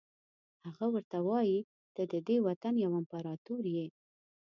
هغه ورته وایي ته ددې وطن یو امپراتور یې.